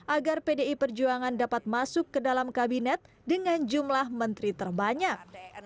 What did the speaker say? agar pdi perjuangan dapat masuk ke dalam kabinet dengan jumlah menteri terbanyak